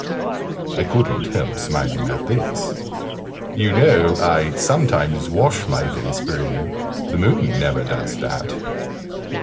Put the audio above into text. I couldn't help smiling at this. "You know I sometimes wash my face, Bruno. The moon never does that."